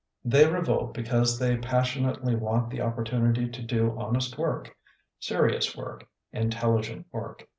They revolt because they pas sionately want the opportunity to do honest work, serious work, inteUigent work.